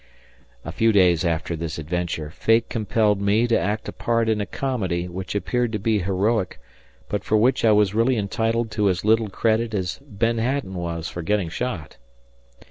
A few days after this adventure, Fate compelled me to act a part in a comedy which appeared to be heroic, but for which I was really entitled to as little credit as Ben Hatton was for getting shot.